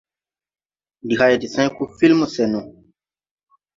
Ndi hày de sãy koo filme sɛn no.